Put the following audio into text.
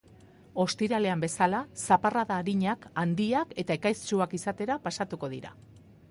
Ostiralean bzeala, zaparrada arinak handiak eta ekaitztsuak izatera pasatuko da.